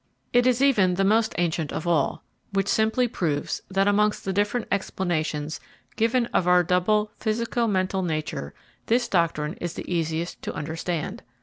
It is even the most ancient of all, which simply proves that amongst the different explanations given of our double physico mental nature, this doctrine is the easiest to understand.